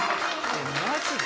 マジで？